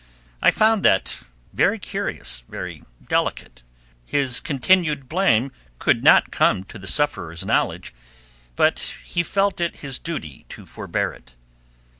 I found that very curious, very delicate. His continued blame could not come to the sufferer's knowledge, but he felt it his duty to forbear it.